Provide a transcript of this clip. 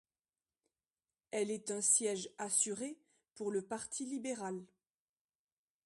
Elle est un siège assuré pour le parti libéral.